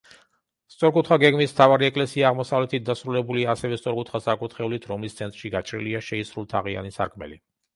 სწორკუთხა გეგმის, მთავარი ეკლესია აღმოსავლეთით დასრულებულია ასევე სწორკუთხა საკურთხევლით, რომლის ცენტრში გაჭრილია შეისრულთაღიანი სარკმელი.